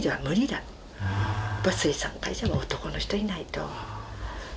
やっぱり水産会社は男の人いないと。